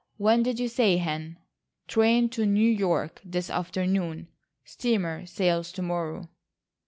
When did you say, Hen?" "Train to New York this afternoon,—steamer sails to morrow."